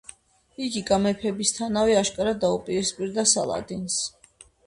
იგი გამეფებისთანავე აშკარად დაუპირისპირდა სალადინს.